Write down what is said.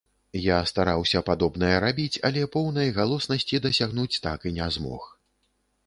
Я стараўся падобнае рабіць, але поўнай галоснасці дасягнуць так і не змог.